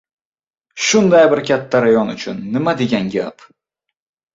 — Shunday bir katta rayon uchun nima degan gap?